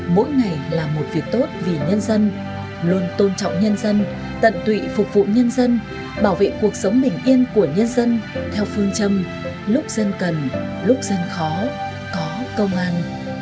mỗi ngày là một việc tốt vì nhân dân luôn tôn trọng nhân dân tận tụy phục vụ nhân dân bảo vệ cuộc sống bình yên của nhân dân theo phương châm lúc dân cần lúc dân khó có công an